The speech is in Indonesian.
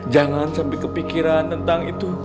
jangan sampai kepikiran itu